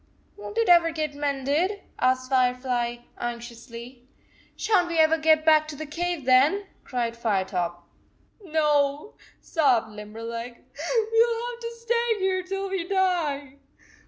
109 " Won t it ever get mended?" asked Fire fly anxiously. <4 Shan t we ever get back to the cave, then?" cried Firetop. "No," sobbed Limberleg. "We ll have to stay here till we die."